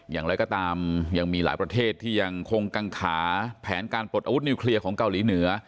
อย่างไรก็ตามยังมีหลายประเทศที่ยังคงกังขาแผนการปลดอาวุธนิวเคลียร์ของเกาหลีเหนือ